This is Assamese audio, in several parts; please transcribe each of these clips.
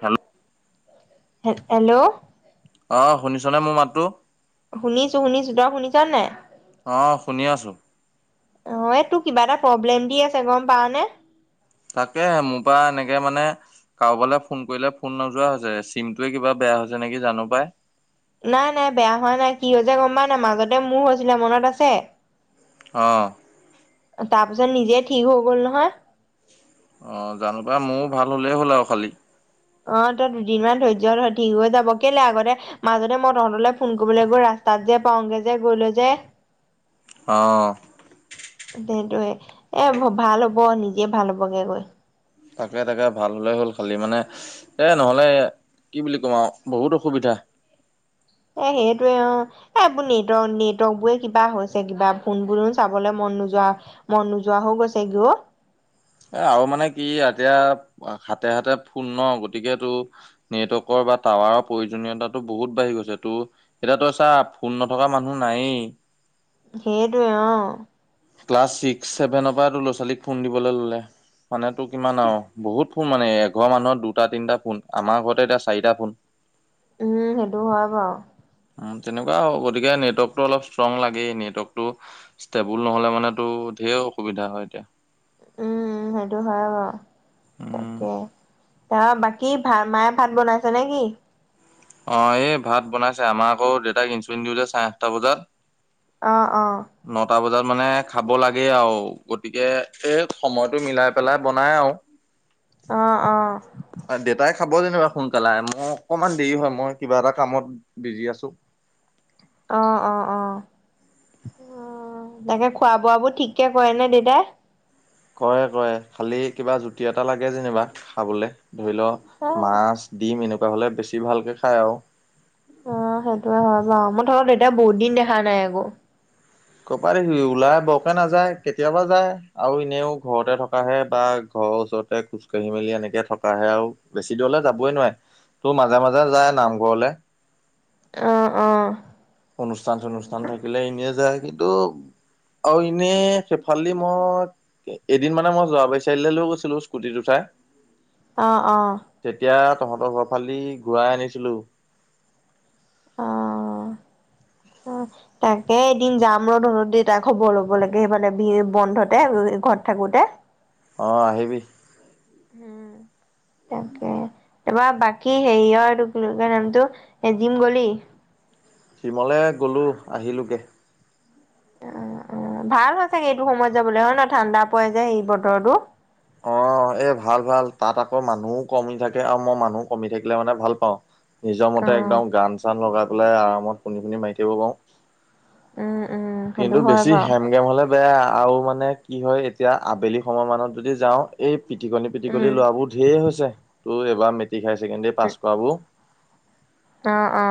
হেল হে, হেল্ল'! অ', শুনিছনে মোৰ মাতটো! শুনিছো, শুনিছো, তই শুনিছ নে নাই? অ', শুনি আছো। অ', এই তোৰ কিবা এটা প্ৰব্লেম দি আছে, গম পাৱনে? তাকে, মোৰ পৰা এনেকে মানে কাৰোবালৈ ফোন কৰিলে ফোন নোযোৱা হৈছে, চিমটোৱে কিবা বেয়া হৈছে নেকি, জানো পাই! নাই, নাই, বেয়া হোৱা নাই, কি হৈছে গম পাৱ নাই, মাজতে মোৰ হৈছিলে মনত আছে। অ'। তাৰ পিছত নিজে ঠিক হৈ গ'ল নহয়। অ', জানো পা, মোৰো ভাল হ'লেই হ'ল আৰু খালি। অ', তই দুদিনমান ধৈৰ্য ধৰ, ঠিক হৈ যাব, কেলে আগতে মাজতে মই তহঁতলৈ ফোন কৰিবলৈ গৈ ৰাস্তাত যে পাওঁগে যে গৈ লৈ যে। অ'। সেইটোয়ে এ, ভাল হ'ব, নিজে ভাল হ'বগে গৈ। তাকে, তাকে, ভাল হ'লে হ'ল, খালী মানে এই নহ'লে কি বুলি ক'ম আৰু বহুত অসুবিধা। এ, সেইটোৱে অ। এই এইবোৰ নেটৱৰ্ক-নেটৱৰ্ক বোৰে কিবা হৈছে, কিবা ফোনবোৰো চাবলে মন নোযোৱা মন নোযোৱা হৈ গৈছে গে অ। এ, আৰু মানে কি এতিয়া, হাতে-হাতে ফোন ন, গতিকে তোৰ নেটৱৰ্কৰ বা টাৱাৰৰ প্ৰয়োজনীয়তাটো বহুত বাঢ়ি গৈছেটো। এতিয়া তই চা ফোন নথকা মানুহ নায়েই। সেইটোৱে, অ। ক্লাছ ছিক্স ছেভেনৰ পৰাই তোৰ ল'ৰা ছোৱালীক ফোন দিবলৈ ল'লে, মানে তোৰ কিমান আৰু বহুত ফোন মানে এঘৰ মানুহৰ দুটা তিনিটা ফোন, আমাৰ ঘৰতে এতিয়া চাৰিটা ফোন। উম সেইটো হয় বাৰু। উম তেনেকুৱা আৰু গতিকে নেটৱৰ্কটো অলপ ষ্ট্ৰং লাগেই নেটৱৰ্কটো ষ্টেবুল নহ'লে মানে তেওঁৰ ধেৰ অসুবিধা হয় এতিয়া। উম উম সেইটো হয় বাৰু, উম। তাকে। ত, বাকী ভাত মায়ে ভাত বনাইছে নে কি? অঁ, এই ভাত বনাইছে আমাক আকৌ দেউতাক ইনচুলিন দিওঁ যে চাৰে আঠটা বজাত। অঁ, অঁ। নটা বজাত মানে খাব লাগে আৰু গতিকে এই সময়টো মিলাই পেলাই বনাই আৰু। [inaudible] অ অঁ। দেতায়ে খাব যেনিবা সোনকালে, মোৰ অকমান দেৰি হয় মই কিবা এটা কামত বিজি আছো। অ অ অ উম তাকে খোৱা বোৱ বোৰ ঠিক কে কৰে নে দেউতাই? কৰে কৰে খালী কিবা জুতি এটা লাগে যেনিবা খাবলে। ধৰি ল অ' মাছ ডিম এনেকুৱা হলে বেছি ভালকে খাই আৰু। অঁ সেইটো হয় বাৰু, মই তহঁতৰ দেউতাক বহুত দিন দেখা নাই আক'। কৰ পৰা দেখিবি ওলাই বৰকে নাযায় কেতিয়াবা যায় আৰু এনেও ঘৰতে থকাহে বা ঘৰৰ ওচৰতে খোজ কাঢ়ি মেলি এনেকে থকাহে আৰু বেছি দূৰলৈ যাবই নোৱাৰে। তৌ মাজে মাজে যায় নামঘৰলে। অঁ অঁ। অনুষ্ঠান চনুষ্ঠান থাকিলে এনে যায় কিন্তু আৰু এনেই সেইফাল দি মই এ এদিন মানে মই যোৰাবাৰী চাৰীয়ালি লৈ গৈছিলো স্কুটিত উঠাই অঁ অঁ। তেতিয়া তহঁতৰ ঘৰ ফালে দি ঘূৰাই আনিছিলো। অ। অঁহ তাকে এদিন যাম ৰ তহঁতৰ দেতাৰ খবৰ ল'ব লেকে মানে বে বন্ধতে থাকোঁতে ঘৰত থাকোতে। অ আহিবি। উম। তাকে তাৰপৰা বাকী হেৰিয়ৰ এইটো কি বুলি কয় নামটো জিম গলি? জিমলে গ'লো, আহিলোগে। অ অ, ভাল হয় চাগে এইটো সময়ত যাবলৈ হয় ন ঠাণ্ডা পৰে যে এই বতৰটো? অ এ ভাল ভাল তাত আকৌ মানুহো কমি থাকে আৰু মই মানুহ কমি থাকিলে মানে ভাল পাওঁ। নিজৰ মতে একদম গান চান লগাই পেলাই আৰামত শুনি শুনি মাৰি থাকব পাৰো। উম উম সেইটো কিন্তু হয় বেছি বাৰু হেম গেম হলে বেয়া আৰু মানে কি হয় এতিয়া আবেলি সময় মানত যদি যাওঁ এই পিটিকনি উম পিটিকলি লৰা বোৰ ধেৰ হৈছে, তোৰ এইবাৰ মেট্ৰিক হায়াৰ ছেকেণ্ডাৰী পাছ উম কৰাবোৰ। অ অ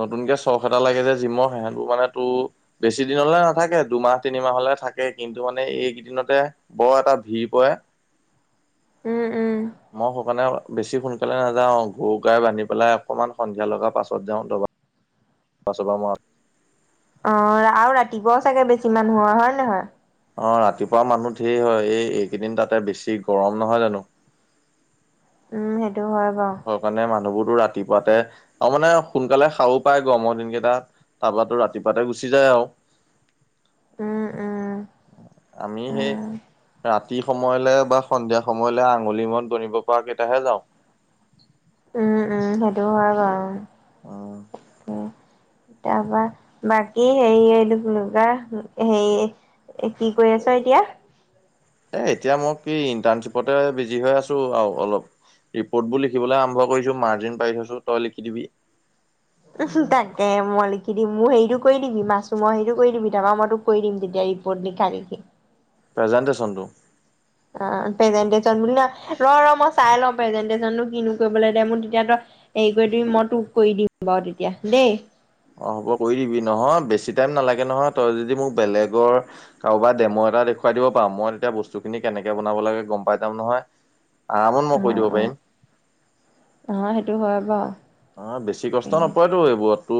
নতুনকে চখ এটা লাগে যে জিমৰ সেহঁতবোৰ মানে তোৰ বেছি দিনলে নাথাকে দুমাহ তিনিমাহলে থাকে কিন্তু মানে এইকেইদিনতে বৰ এটা ভিৰ পৰে। উম উম। মই সেইকাৰণে বেছি সোনকালে নাযাও, গৰু গাই বান্ধি পেলাই অকনমান সন্ধিয়া লগা পাছত যাওঁ। [unintelligible] অ ৰা আৰু ৰাতিপুৱাও চাগে বেছি মানুহ শুৱা হয় নে নহয়? অ ৰাতিপুৱা মানুহ ঢেৰ হয় এই এইকেইদিন তাতে বেছি গৰম নহয় জানো? উম সেইটো হয় বাৰু। হয় কাৰণে মানুহবোৰতো ৰাতিপুৱাতে আৰু মানে সোনকালে খাবো পায় গৰমৰ দিন কেইটাত। তাৰপাতো ৰাতিপুৱাতে গুচি যায় আৰু। উম উম। আমি সেই, উম ৰা তি সময়লে বা সন্ধিয়া সময়লে আঙুলি মন বনিব পৰা কেইটাহে যাওঁ। উম উম সেইটো হয় বাৰু। অ। উম তাৰপা বাকী হেৰি এইটো কি বুলি কয় হেৰি এ কি কৰি আছ এতিয়া? এ এতিয়া মই কি ইণ্টাৰ্ণশ্বিপতে বিজি হৈ আছো আৰু অলপ। ৰিপৰ্টবোৰ লিখিবলৈ আৰম্ভ কৰিছো, মাৰ্জিন পাই থৈছো তই লিখি দিবি। উহো, তাকে মই লিখি দিম, মোৰ হেৰিটো কৰি দিবি মাছৰুমৰ সেইটো কৰি দিবি তাৰপৰা মই তোক কৰি দিম তেতিয়া এ বৰ্ণিকাৰীকে। প্ৰেজাণ্টেশ্যনটো? অ প্ৰেজেনটেশচন বুলি ন, ৰ ৰ মই চাই লওঁ প্ৰেজেনটেশচনো কিনো কৰিব লাগে দে মোৰ তেতিয়া তই এই কৰি দিবি মই তোক কৰি দিম বাৰু তেতিয়া দেই। অ হ'ব, কৰি দিবি নহয় বেছি টাইম নালাগে নহয় তই যদি মোক বেলেগৰ কাৰোবাৰ ডেম' এটা দেখুৱাই দিব পাৰো, মই তেতিয়া বস্তুখিনি কেনেকে বনাব লাগে গম পাই যাম নহয়। আৰামত মই অহ কৰি দিব অ, পাৰিম অহ সেইটো হয় বাৰু। অ বেছি কষ্ট তাকে নপৰেতো এইবোৰততো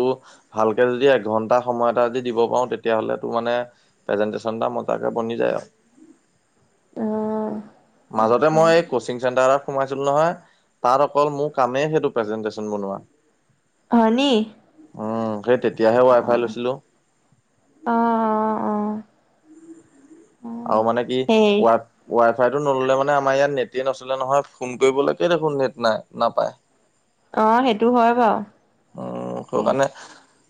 ভালকে যদি এঘন্টা সময় এটা যদি দিব পাৰো তেতিয়াহলে তো মানে প্ৰেজেণ্টেশ্যন এটা মজাকে বনি যায় আৰু। অ। মাজতে তাকে মই এই কচিং চেণ্টাৰত সোমাইছিলো নহয় তাত অকল মোৰ কামেই সেইটো প্ৰেজেন্টেচন বনোৱা। হয়নি? উম সেই তেতিয়াহে ৱাই অ' ফাই লৈছিলো। অ অ অ। অ' আৰু মানে কি সেই ৱা ৱা ফাইটো নললে মানে আমাৰ ইয়াত নেটেই নছলে নহয়, ফোন কৰিবলৈকে দেখোন নেট নাই নাপায়। অ সেইটো হয় বাৰু, তে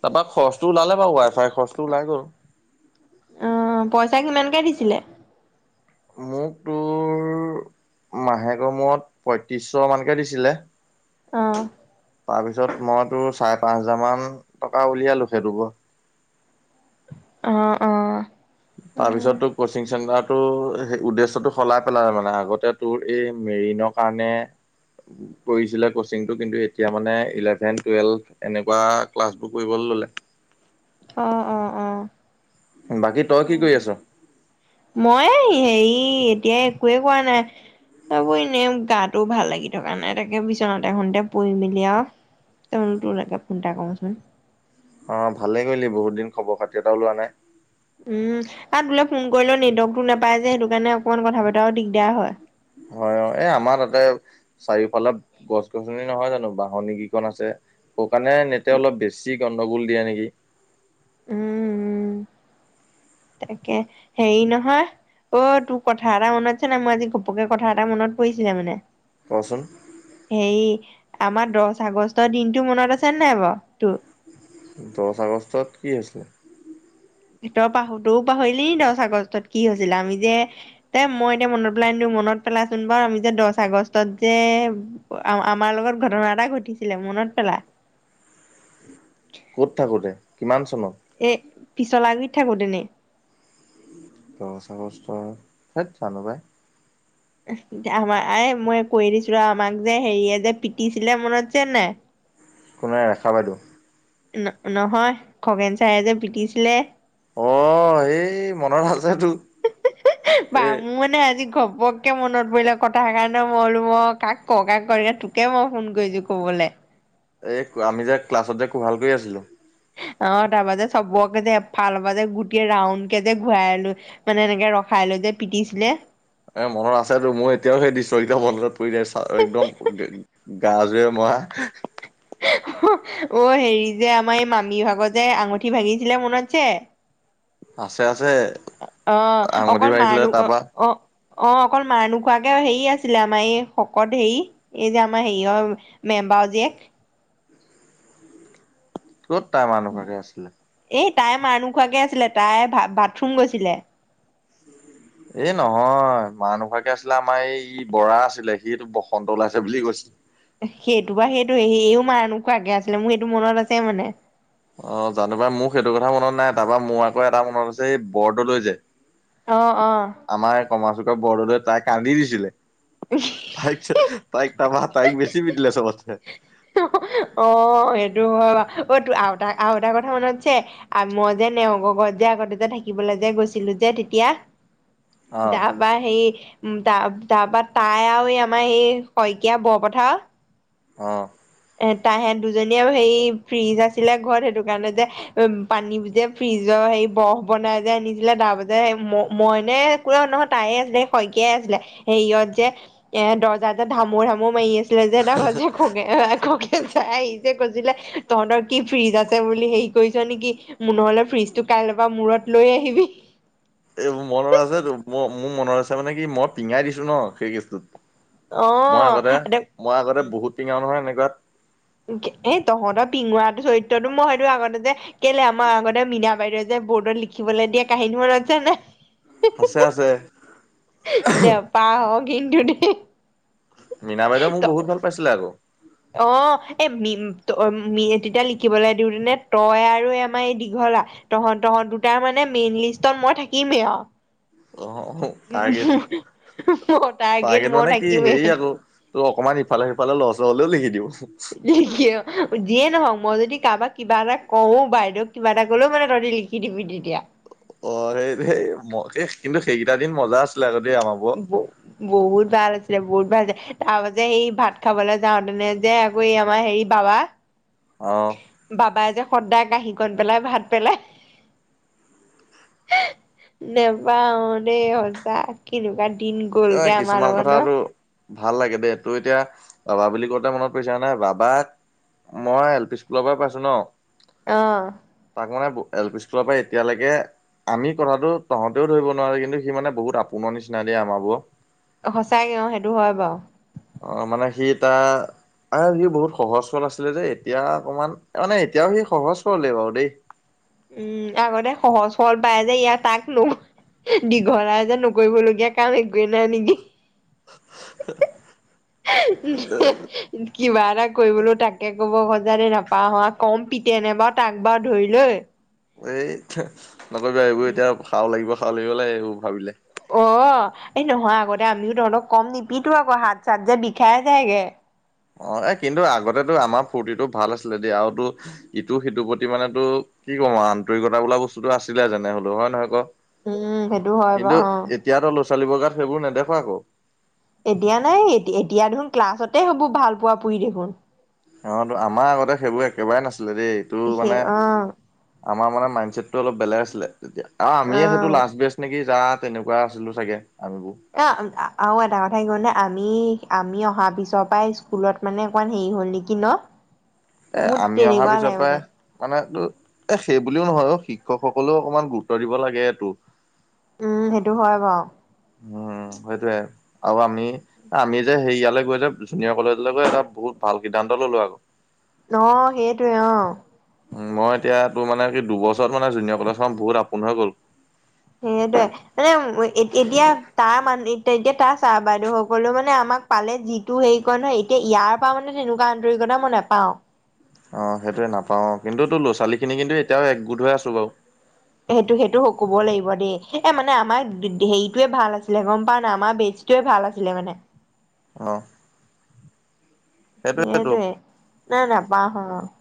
তাৰপা খৰচটো ওলালে বাৰু ৱাই ফাইৰ খৰচটো ওলাই গল। অ, পইচা কিমানকে দিছিলে? মোক তোৰ মাহেকৰ মূৰত পয়ত্ৰিশশ মানকে দিছিলে। অঁহ। তাৰ পিছত মই তোৰ চাৰে পাঁচ হাজাৰ মান টকা উলিয়ালো সেইটোপৰা। অ অ। অ', তাৰপিছত তোক ক'চিং চেণ্টাৰটো সেই উদ্দেশ্যটো সলাই পেলাল মানে আগতে তোৰ এই মেৰিনৰ কাৰণে [inaudible] কৰিছিলে কচিংটো কিন্তু এতিয়া মানে ইলেভেন, টুৱেল্ভ এনেকুৱা ক্লাছবোৰ কৰিবলৈ ল'লে। অ অ অ বাকী তই কি কৰি আছ মই হেৰি এতিয়া একোৱে কৰা নাই তাকো এনেই গাটো ভাল লাগি থকা নাই তাকে বিচনাতে এখনতে পৰি মেলি আও তাৰপিছত তোলৈকে ফোন এটা কৰো চোন। অ ভালে কৰিলি বহুত দিন খবৰ খাতি এটাও লোৱা নাই। উম আৰু তোলে ফোন কৰিলেও নেটৱৰ্কটো নাপাই যে সেইটো কাৰণে অকণমান কথা পতাও দিগদাৰ হয়। হয় অ এই আমাৰ তাতে চাৰিওফালে গছ গছনি নহয় জানো বাঁহনি কেইখন আছে। সৌ কাৰণে‌ নেটে উম, অলপ বেছি গণ্ডগোল দিয়ে নেকি। উম উম তাকে হেৰি নহয় অ তোৰ কথা এটা মনত আছে নে মই আজি ঘপকে কথা এটা মনত পৰিছিলে মানে ক'চোন। হেৰি আমাৰ দচ আগষ্টৰ দিনটো মনত আছেনে নাই বাৰু তোৰ দহ আগষ্টত কি হৈছিল তয়ো পাহো তইয়ো পাহৰিলি নি দহ আগষ্টত কি হৈছিল আমি যে এ মই এতিয়া মনত পেলাই নিদিও মনত পেলাচোন বাৰু আমি যে দহ আগষ্টত যে আ আমাৰ লগত ঘটনা এটা ঘটিছিলে মনত পেলা ক'ত থাকোঁতে কিমান চনত এ পিছলা গুৰিত থাকোতেনি। দহ আগষ্ট হেত জানু পাই। আমাৰ এই মই কৈ দিছো ৰ আমাক যে হেৰিয়ে যে পিটিছিলে মনত আছে নাই কোনে ৰেখা বাইদেউ। ন' নহয় খগেন চাৰে যে পিটিছিলে। অ এই মনত আছে তো হে বা মোৰ মানে আজি ঘপক ঘপকে মনত পৰিলে কথাষাৰ সেই কাৰণে মই বোলো অ কাক কও কাক কও এতিয়া তোকে মই ফোন কৰিছো ক'বলে এই আমি যে ক্লাছত যে কোহাল কৰি আছিলো অ তাৰপা যে চবকে এফালৰ পা গোটেই ৰাউণ্ড কে যে ঘূৰাই লৈ মানে এনেকে ৰখাই লৈ যে পিটিছিলে। এ মনত আছেতো মোৰ এতিয়াও সেই দৃশ্য কেইটা মনত‌ পৰি যায় ছাৰৰ একদম গাজোৰে মৰা। অহ অ হেৰি যে আমাৰ এই মামি ভাগৰ যে আঙুঠি ভাঙিছিলে মনত আছে আছে আছে। অ আঙুঠি অকল মাৰ বাঢ়িছিলে নু অ তাৰপা অ অ অকল মাৰ নোখোৱাকে হেৰি আছিলে আমাৰ এই শকত হেৰি এই যে আমাৰ হেৰিয়ৰ মেমবাৰৰ জীয়েক। ক'ত তাই মাৰ নোখোৱাকে আছিলে এই তাই মাৰ নোখোৱাকে আছিলে তাই বা বাথৰুম গৈছিলে। এই নহয় মাৰ নোখোৱাকে আছিলে আমাৰ এই ই বৰা আছিলে সিটো বসন্ত ওলাইছে বুলি কৈছিলে। সেইটো বা সেইটো সিও মাৰ নোখোৱাকে আছিলে মোৰ সেইটো মনত আছে মানে অ জানো পাই মোৰ সেইটো কথা মনত নাই তাৰপা মোৰ আকৌ এটা মনত আছে এই বৰদলৈ যে। অ অ আমাৰ কমাৰ চুকৰ বৰদলৈ তাই কান্দি দিছিলে। [unintelligible] [unintelligible] তাইক তাৰপৰা, তাইক বেছি পিতিলে চবত ছে। অ, সেইটো হয় বাৰু। অই, তোৰ আৰু এটা, আৰু এটাৰ কথা মনত আছে? আৰু মই যে, নেওঁগ ঘৰত যে, আগতে যে, থাকিবলৈ যে, গৈছিলো যে, তেতিয়া অ' তাৰপৰা হেৰি, তাৰ, তাৰপৰা তাই আৰু এই আমাৰ এই, শইকীয়া বৰপথাৰ অ। তাহেত দুজনীয়ে হেৰি, ফ্ৰিজ আছিলে ঘৰত, সেইটো কাৰণে যে উম, পানী যে ফ্ৰিজৰ হেৰি বৰফ বনাই যে আনিছিলে, তাৰ পাছতে মই নে নহয়, তাইয়ে আছিলে, শইকীয়াই আছিলে হেৰিয়ত যে, এ দৰ্জা যে, ধামোৰ ধামোৰ মাৰি আছিলে [unintelligible] খগেন ছাৰে আহি যে কৈছিলে, তহঁতৰ কি ফ্ৰিজ আছে বুলি, হেৰি কৰিছ নেকি? মো নহলে ফ্ৰিজটো কাইলৈৰ পৰা মূৰত লৈ আহিবি। এই মনত আছে টো, ম মোৰ মনত আছে মানে কি, মই পিঙাই দিছো ন, সেই কেছ্টোত। অ মই আগতে, মই আগতে উম বহুত টিঙাও নহয় এনেকুৱাত। এ, তহঁতৰ পিঙোৱাটো চৰিত্ৰটো মই সেইটো আগতে যে কেলে, আমাৰ আগতে মীনা বাইদেউ যে, বৰ্ডত লিখিবলৈ দিয়ে কাহিনী মনত আছে নে নাই? আছে, আছে। পা হ কিন্তু দে মীনা বাইদেউ মোক বহুত ভাল পাইছিলে আকৌ। অ, এ, তেতিয়া লিখিবলৈ দিওঁতেনে তই আৰু আমাৰ এই দীঘলা তহঁত, তহঁত দুটাৰ মানে মেইন লিষ্টত মই থাকিমেই আৰু। অ। টাৰ্গেট, মোৰ টাৰ্গেট মই মানে কি থাকিমেই হেৰি আকৌ। টো অকনমান ইফালে সিফালে লৰ-চৰ হলেও লিখি দিব। লিখে অ, যিয়ে নহওক মই যদি কাৰোবাক কিবা এটা কওঁ, বাইদেউক কিবা এটা ক'লেও মানে তহঁতি লিখি কি দিবি তেতিয়া অ, সেই, সেই, হে কিন্তু সেইকেইটা দিন মজা আছিলে আক' দেই আমাৰা ব ব বহুত ভাল আছিলে, বহুত ভাল আছিলে। তাৰপাছ যে সেই ভাত খাবলৈ যাওঁতেনে যে, আকৌ এই আমাৰ হেৰি বাবা অ। বাবাই যে সদায় কাঁহী খন পেলাই, ভাত পেলাই। নেপাহৰোঁ দেই সঁচা, কেনেকুৱা দিন এ গ'লগে আমাৰ কিছুমান লগত ন? কথাটো ভাল লাগে দেই, তোৰ এতিয়া বাবা বুলি কওঁতে মনত পৰিছে হয়নে, বাবাক মই এল পি স্কুলৰ পৰাই পাইছো ন। অ। তাক মানে, এল পি স্কুলৰ পৰা এতিয়ালৈকে আমি কথাটো তহঁতেও ধৰিব নোৱাৰ, কিন্তু সি মানে বহুত আপোননৰ নিচিনা দে আমাৰ বোৰ সঁচাকে, অ, সেইটো হয় বাৰু। অ, মানে সি তাৰ আৰু সি বহুত সহজ- সৰল আছিলে যে এতিয়া অকণমান, মানে এতিয়াও সি সহজ- সৰলে বাৰু দেই। উম। আগতে সহজ- সৰল পায় যে ইয়াৰ তাকনো দীঘলাই যে নকৰিবলগীয়া কাম একোৱে নাই নেকি। [unintelligible] [inaudible] কিবা এটা কৰিবলৈ তাকে ক'ব, খজা দে নেপাহৰোঁ আৰু। কম পিতেনে বাৰু তাক বাৰু ধৰি লৈ। এই, নকৰিবা এইবোৰ এতিয়া সাও লাগিব, সাও লাগিব লাগে এইবোৰ ভাবিলে। অ, এই নহয় আগতে আমিও তহঁতক কম নিপিটো আকৌ, হাত-চাত যে বিষাই যায়গে। অ এ কিন্তু আগতেো আমাৰ ফূুৰ্তিটো ভাল আছিলে দেই আৰুতো ইটো সিটোৰ প্ৰতি মানে টো কি ক'ম আৰু আন্তৰিকতা বোলা বস্তুতটো আছিলে যেনে হলেও হয় নহয় ক উম, সেইটো হয় কিন্তু বাৰু অ'। এতিয়াতো ল'ৰা ছোৱালীবোৰগাত সেইবোৰ নেদেখ আকৌ এতিয়া নে এতিয়া এতিয়া দেখোন ক্লাছতে সেবো ভাল পোৱা পুই দেখোন। আমাটো আমাৰ আগতে সেইবোৰ একেবাৰে নাছিলে দেই এইটো মানে সেই অ', আমাৰ মানে মাইডছেটটো অলপ বেলেগ আছিলে তেতিয়া আৰু আমিয়ে সেইটো অ', লাচট বেষ্ট। নেকি যা তেনেকুৱা আছিলো চাগে আমিবোৰ এ আৰু এটা কথা কি কউনে আমি আমি অহাৰ পিছৰ পৰাই স্কুলত মানে অকমান হেৰি হ'ল নেকি ন এ মোৰ আমি অহাৰ তেনেকুৱা পিছৰ লাগে পৰাই মানে মানে এটো সেইবুলিও নহয় অ শিক্ষকসকলেও অকণমান গুৰুত্ব দিব লাগে এইটো উম সেইটো হয় বাৰু উম সেইটোৱে আৰু আমি আমি যে সেয়ালৈ গৈ যে জুনিয়ৰ কলেজলৈ গৈ এটা বহুত ভাল সিদ্ধান্ত ললো আক ন সেইটোৱে অ মই এতিয়া তোৰ মানে কি দুবছত মানে জুনিয় কলেজখন বহুত আপোন হৈ গ'ল সেইটোয়ে মানে এতিয়া তাৰ মান এতিয়া এতিয়া তাৰ চাৰ বাইদেউ সকলৌ মানে আমাক পালে যিটো হেৰি কৰে নহয় এতিয়া ইয়াৰ পৰা মানে তেনেকুৱা আন্তৰিকতা মই নোপাও অ সেইটোৱে নাপাওঁ কিন্তু তো ল'ৰা-ছোৱালীখিনি কিন্তু এতিয়াও একগোট হৈ আছো বাৰু সেইটো সেইটো কব লাগিব দেই এ মানে আমাৰ হেৰিটোৱে ভাল আছিলে গম পা না আমাৰ বেছ সটোৱে ভাল আছিলে মানে অ সেইটোৱেতো। সেইটোৱে নাই নাইপাহৰো আৰু।